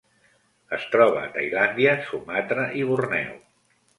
Es troba a Tailàndia, Sumatra i Borneo.